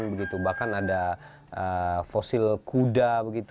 bahkan ada fosil kuda